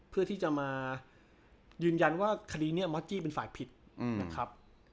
เพื่อที่จะมายืนยันว่าคดีนี้ม็อบจี้เป็นฝ่ายผิดนะครับ